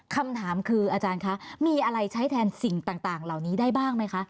คำถามคืออาจารย์คะมีอะไรใช้แทนสิ่งต่างเหล่านี้ได้บ้างไหมคะ